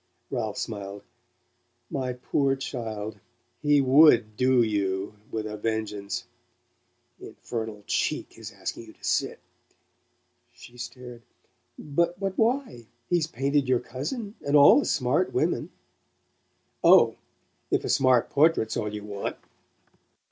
Ralph smiled. "My poor child he WOULD 'do' you, with a vengeance. Infernal cheek, his asking you to sit " She stared. "But why? He's painted your cousin, and all the smart women." "Oh, if a 'smart' portrait's all you want!"